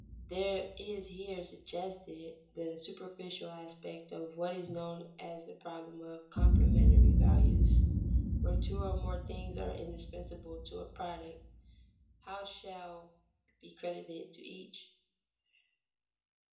There is here suggested the superficial aspect of what is known as the problem of complementary values. Where two or more things are indispensable to a product, how much shall be credited to each?